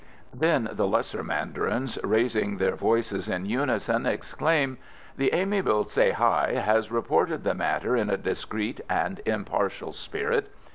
Then the lesser mandarins, raising their voices in unison, exclaim, "The amiable Tsay hi has reported the matter in a discreet and impartial spirit.